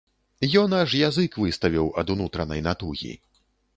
Ён аж язык выставіў ад унутранай натугі.